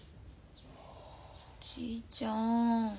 おじいちゃん。